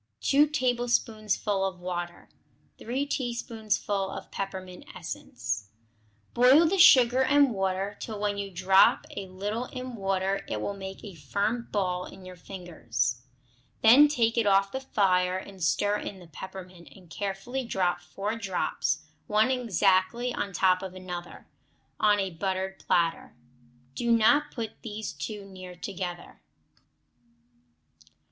2 tablespoonfuls of water. 3 teaspoonfuls of peppermint essence. Boil the sugar and water till when you drop a little in water it will make a firm ball in your fingers. Then take it off the fire and stir in the peppermint, and carefully drop four drops, one exactly on top of another, on a buttered platter. Do not put these too near together.